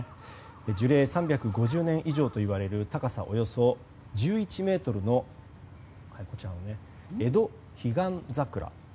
樹齢３５０年以上といわれる高さおよそ１１ｍのエドヒガンザクラ。